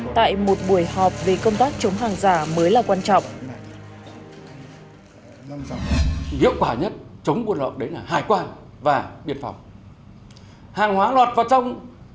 tại một buổi họp về công tác chống hàng giả mới là quan trọng